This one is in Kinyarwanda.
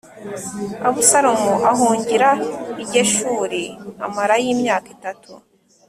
Abusalomu ahungira i Geshuri amarayo imyaka itatu.